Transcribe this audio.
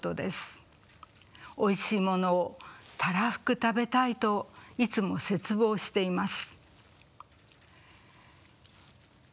おいしいものをたらふく食べたいといつも切望しています。